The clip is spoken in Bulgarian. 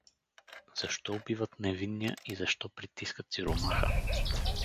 Защо убиват невинния и защо притискат сиромаха?